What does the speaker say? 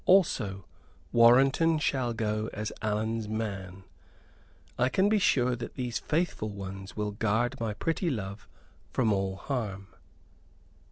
Also Warrenton shall go as Allan's man. I can be sure that these faithful ones will guard my pretty love from all harm."